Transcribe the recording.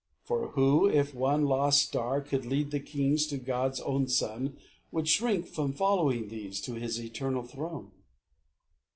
For who, if one lost star could lead the kings To God's own Son, would shrink from following these To His eternal throne?